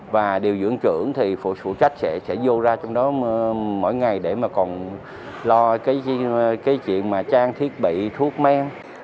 và điều dưỡng trưởng thì phụ trách sẽ vô ra trong đó mỗi ngày để mà còn lo cái chuyện mà trang thiết bị thuốc men